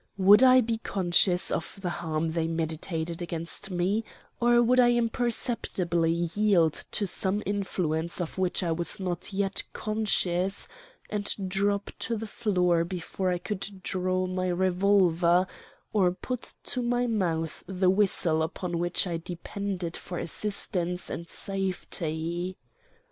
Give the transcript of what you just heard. Would I be conscious of the harm they meditated against me, or would I imperceptibly yield to some influence of which I was not yet conscious, and drop to the floor before I could draw my revolver or put to my mouth the whistle upon which I de pended for assistance and safety?